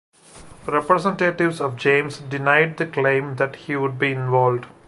Representatives of James denied the claim that he would be involved.